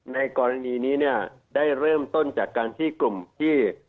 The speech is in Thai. ในกรณีนี้เนี่ยได้เริ่มต้นจากการที่กลุ่มที่